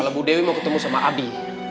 kalau bu dewi mau ketemu sama adi